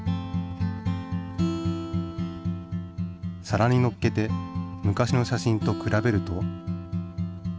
皿にのっけて昔の写真とくらべると。